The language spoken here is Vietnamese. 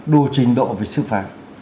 đủ trình độ về sư phạm